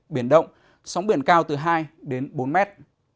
biển động sóng biển cao từ hai đến bốn mét